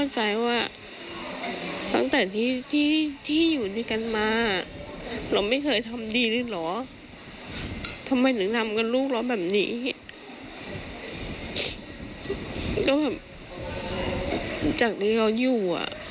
จากที่เขายู